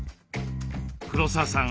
黒沢さん